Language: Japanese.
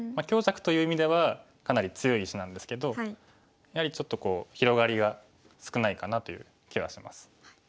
強弱という意味ではかなり強い石なんですけどやはりちょっと広がりが少ないかなという気がします。